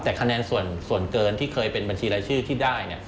แต่คะแนนส่วนเกินที่เคยเป็นบัญชีรายชื่อที่ได้